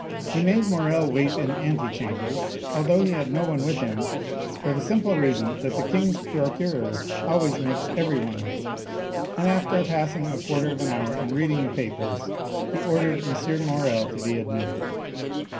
He made Morrel wait in the antechamber, although he had no one with him, for the simple reason that the king's procureur always makes everyone wait, and after passing a quarter of an hour in reading the papers, he ordered M. Morrel to be admitted.